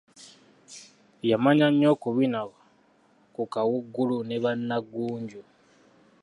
Yamanya nnyo okubina ku Kawuugulu ne Banna-ggunju.